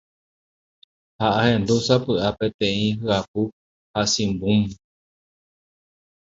Ha ahendu sapy’a peteĩ hyapu ha chimbúm.